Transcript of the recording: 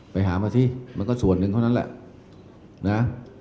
ไปหามาสิมันก็ส่วนหนึ่งเท่านั้นแหละนะ